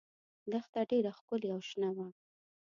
دښته ډېره ښکلې او شنه وه.